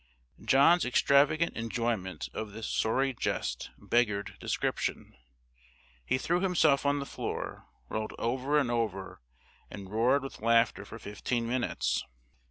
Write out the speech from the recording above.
John's extravagant enjoyment of this sorry jest beggared description. He threw himself on the floor, rolled over and over, and roared with laughter for fifteen minutes.